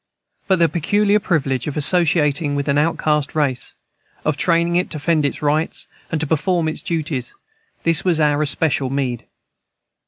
But the peculiar privilege of associating with an outcast race, of training it to defend its rights and to perform its duties, this was our especial meed.